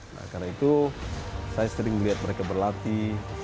karena itu saya sering melihat mereka berlatih